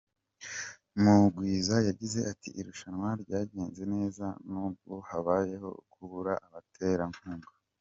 Mugwiza yagize ati “Irushanwa ryagenze neza, nubwo habayeho kubura abaterankunga.